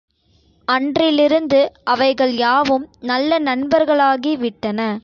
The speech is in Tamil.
அன்றிலிருந்து அவைகள் யாவும் நல்ல நண்பர்களாகி விட்டன.